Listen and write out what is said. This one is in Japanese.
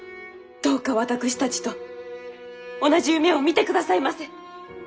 どうか私たちと同じ夢を見てくださいませ。